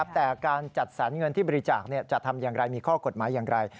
แต่การจัดสรรเงินที่บริจาคจะทำอย่างไรมีข้อกฎหมายอย่างไร